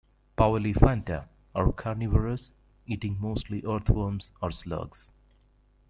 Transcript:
"Powelliphanta" are carnivorous, eating mostly earthworms or slugs.